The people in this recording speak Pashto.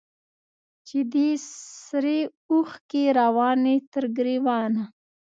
چي دي سرې اوښکي رواني تر ګرېوانه